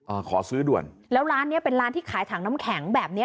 อ่าขอซื้อด่วนแล้วร้านเนี้ยเป็นร้านที่ขายถังน้ำแข็งแบบเนี้ย